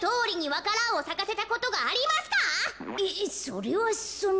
えっそれはその。